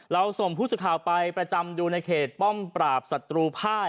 เราส่งผู้ช่วยข่าวไปประจำดูในเหตุป้อมปราบ๙๐ภาย